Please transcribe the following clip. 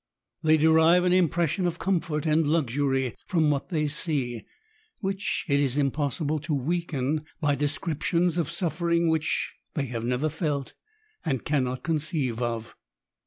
They derive an impression of comfort and luxury from what they see, which it is impossible to weaken by descriptions of suffering which they have never felt, and cannot conceive of.